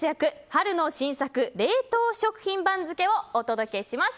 春の新作冷凍食品番付をお届けします。